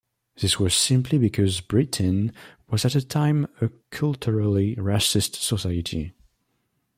This was simply because Britain was at the time a culturally racist society.